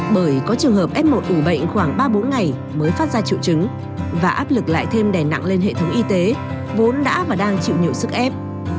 bởi có trường hợp f một ủ bệnh khoảng ba bốn ngày mới phát ra triệu chứng và áp lực lại thêm đè nặng lên hệ thống y tế vốn đã và đang chịu nhiều sức ép